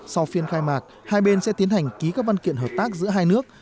sau phiên khai mạc hai bên sẽ tiến hành ký các văn kiện hợp tác giữa hai nước